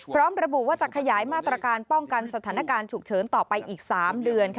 พร้อมระบุว่าจะขยายมาตรการป้องกันสถานการณ์ฉุกเฉินต่อไปอีก๓เดือน